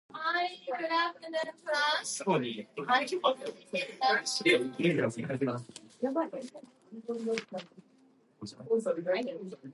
The onset of encopresis is most often benign.